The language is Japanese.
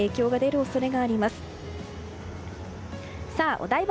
お台場